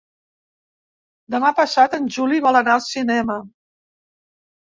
Demà passat en Juli vol anar al cinema.